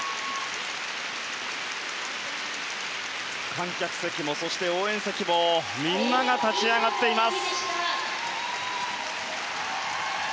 観客席も応援席もみんなが立ち上がっています。